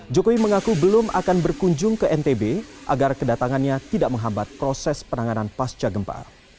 jokowi mengaku belum akan berkunjung ke ntb agar kedatangannya tidak menghambat proses penanganan pasca gempa